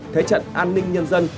thế trận an ninh nhân dân